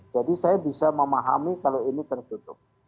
jadi saya bisa memahami kalau ini tertutup